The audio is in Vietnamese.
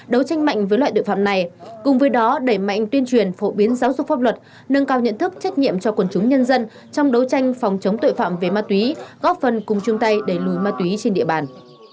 đấu tranh mạnh với loại tội phạm này cùng với đó đẩy mạnh tuyên truyền phổ biến giáo dục pháp luật nâng cao nhận thức trách nhiệm cho quần chúng nhân dân trong đấu tranh phòng chống tội phạm về ma túy góp phần cùng chung tay đẩy lùi ma túy trên địa bàn